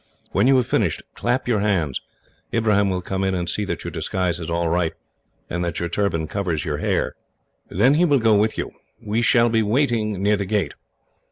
When you have finished, clap your hands. Ibrahim will come in and see that your disguise is all right, and that your turban covers your hair. Then he will go with you. We shall be waiting near the gate.